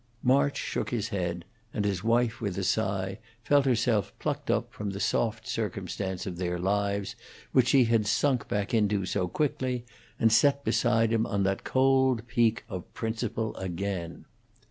March shook his head, and his wife, with a sigh, felt herself plucked up from the soft circumstance of their lives, which she had sunk back into so quickly, and set beside him on that cold peak of principle again.